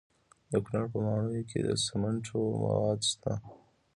د کونړ په ماڼوګي کې د سمنټو مواد شته.